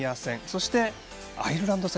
そしてアイルランド戦。